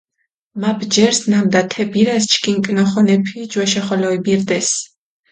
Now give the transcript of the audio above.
მა ბჯერს, ნამდა თე ბირას ჩქინ კჷნოხონეფი ჯვეშო ხოლო იბირდეს.